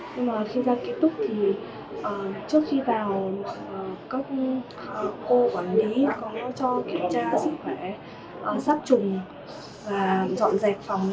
nhưng mà khi ra ký túc thì trước khi vào các cô quản lý có cho kiểm tra sức khỏe